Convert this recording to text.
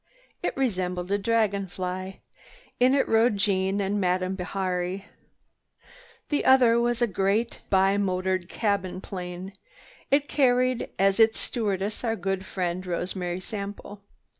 It resembled a dragon fly. In it rode Jeanne and Madame Bihari. The other was a great bi motored cabin plane. It carried as its stewardess our good friend Rosemary Sample.